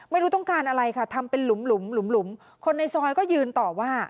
ไม่รู้ต้องการอะไรค่ะทำเป็นหลุมหลุมคนในซอยก็ยืนต่อว่า